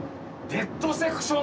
デッドセクション？